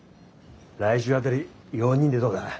来週辺り４人でどうだ？